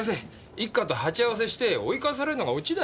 一課と鉢合わせして追い返されるのがオチだよ。